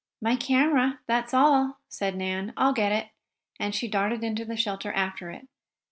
"My camera that's all," said Nan. "I'll get it," and she darted into the shelter after it.